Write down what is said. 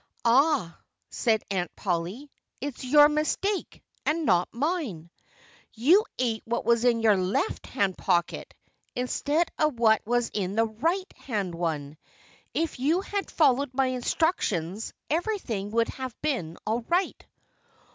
"Ah!" said Aunt Polly. "It's your mistake and not mine. You ate what was in your left hand pocket, instead of what was in the right hand one. If you had followed my instructions everything would have been all right."